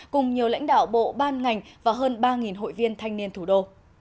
cùng nhiều lãnh đạo bộ ban ngành và hơn ba hội viên thanh niên thủ đô